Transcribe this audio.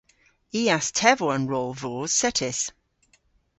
I a's tevo an rol voos settys.